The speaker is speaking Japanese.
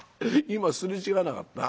今擦れ違わなかった？」。